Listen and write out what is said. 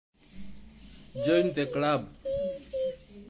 Join the club.